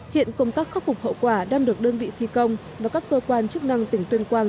hiện công tác khắc phục hậu quả đang được đơn vị thi công và các cơ quan chức năng tỉnh tuyên quang